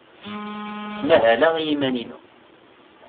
Ttmahaleɣ i yiman-inu.